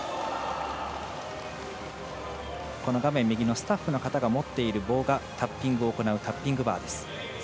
スタッフの方が持っている棒がタッピングを行うタッピングバーです。